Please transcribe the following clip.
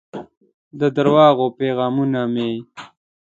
د درواغو پیغامونه مې